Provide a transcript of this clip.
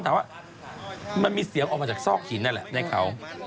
แต่ว่ามันมีเสียงออกมาจากซอกหินนั่นแหละในเขา